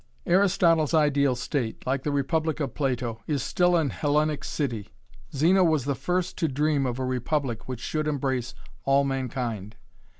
Aristotle's ideal state, like the Republic of Plato, is still an Hellenic city; Zeno was the first to dream of a republic which should embrace all mankind.